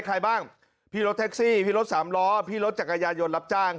ใครบ้างพี่รถแท็กซี่พี่รถสามล้อพี่รถจักรยายนรับจ้าง